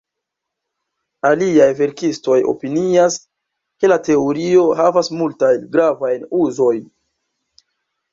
Aliaj verkistoj opinias, ke la teorio havas multajn gravajn uzojn.